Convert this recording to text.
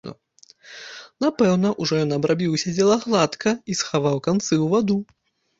Напэўна, ужо ён абрабіў усё дзела гладка і схаваў канцы ў ваду.